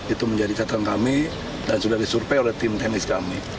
itu menjadi catatan kami dan sudah disurvey oleh tim teknis kami